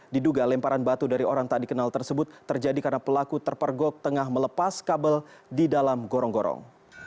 diduga lemparan batu dari orang tak dikenal tersebut terjadi karena pelaku terpergok tengah melepas kabel di dalam gorong gorong